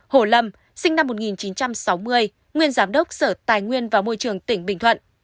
hai hồ lâm sinh năm một nghìn chín trăm sáu mươi nguyên giám đốc sở tài nguyên và môi trường tỉnh bình thuận